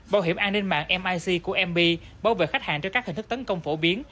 bảo hiểm an ninh mạng mic của mb bảo vệ khách hàng trước các hình thức tấn công phổ biến